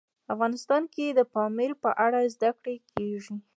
افغانستان کې د پامیر په اړه زده کړه کېږي.